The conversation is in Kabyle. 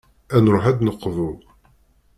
Ad nruḥ ad d-neqḍu.